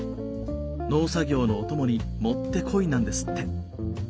農作業のお供にもってこいなんですって。